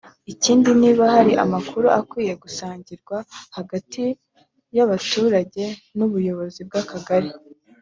ikindi niba hari amakuru akwiye gusangirwa hagati y’abaturage n‘ubuyobozi bw’Akagari